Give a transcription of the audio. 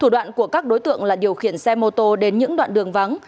đoạn của các đối tượng là điều khiển xe mô tô đến những đoạn đường vắng